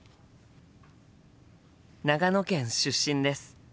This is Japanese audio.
長野県出身です。